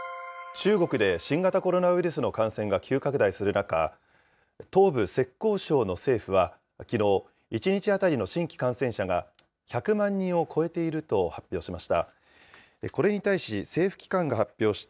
中国で新型コロナウイルスの感染が急拡大する中、東部浙江省の政府はきのう、１日当たりの新規感染者が１００万人を超えていると発表しました。